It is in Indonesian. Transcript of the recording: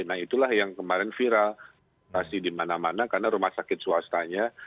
nah itulah yang kemarin viral pasti di mana mana karena rumah sakit swastanya